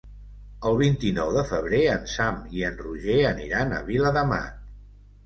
El vint-i-nou de febrer en Sam i en Roger aniran a Viladamat.